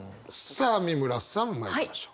さあ美村さんまいりましょう。